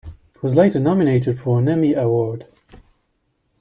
It was later nominated for an Emmy Award.